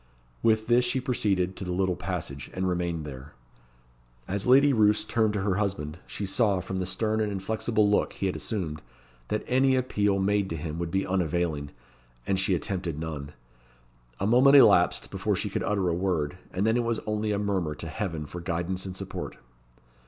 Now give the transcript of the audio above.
With this she proceeded to the little passage, and remained there. As Lady Roos turned to her husband, she saw, from the stern and inflexible look he had assumed, that any appeal made to him would be unavailing, and she attempted none. A moment elapsed before she could utter a word, and then it was only a murmur to heaven for guidance and support.